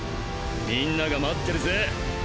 みんなが待ってるぜ。